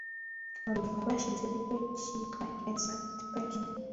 mu rubyiruko rwashinze ikigo cyitwa kigali smart parking